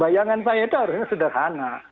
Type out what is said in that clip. bayangan saya itu harusnya sederhana